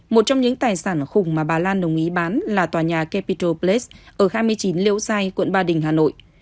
một trong những tài sản khủng mà bà lan đồng ý bán là tòa nhà capital place ở hai mươi chín liễu giai quận ba đình hà nội